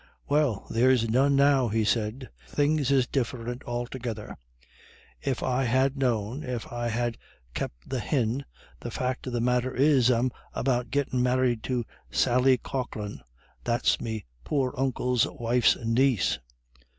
"Well, there's none now," he said. "Things is diff'rent altogether. If I'd ha' known, I'd ha' kep' the hin. The fact of the matter is I'm about gettin' married to Sally Coghlan, that's me poor uncle's wife's niece.